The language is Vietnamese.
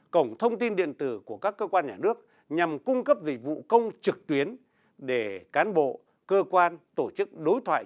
cổng thông tin điện tử của các cơ quan nhà nước nhằm cung cấp dịch vụ công trực tuyến để cán bộ cơ quan tổ chức đối thoại